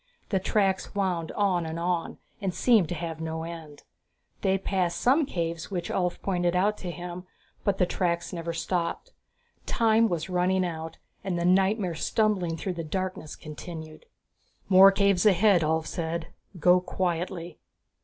The tracks wound on and on, and seemed to have no end. They passed some caves which Ulv pointed out to him, but the tracks never stopped. Time was running out and the nightmare stumbling through the darkness continued. "More caves ahead," Ulv said, "Go quietly."